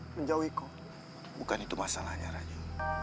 bukan itu masalahnya rani